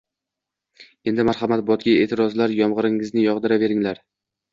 Endi marhamat, botga e’tirozlar yomg‘iringizni yog‘diraveringlar!